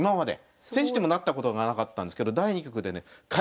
千日手もなったことがなかったんですけど第２局でね快勝しまして。